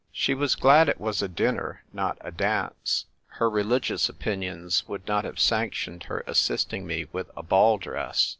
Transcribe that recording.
She was glad it was a dinner, not a dance ; her religious opinions would not have sanctioned her assisting me with a ball dress.